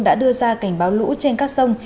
đã đưa ra cảnh báo lũ trên các sông